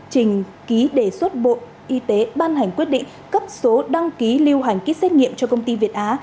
trình ký đề xuất bộ y tế ban hành quyết định cấp số đăng ký lưu hành ký xét nghiệm cho công ty việt á